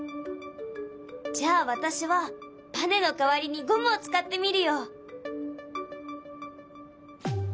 じゃあ私はばねの代わりにゴムを使ってみるよ。